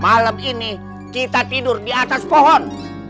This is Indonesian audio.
malam ini kita tidur di atas pohon